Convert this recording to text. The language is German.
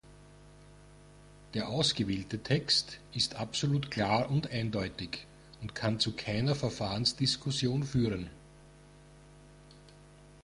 Der ausgewählte Text ist absolut klar und eindeutig und kann zu keiner Verfahrensdiskussion führen.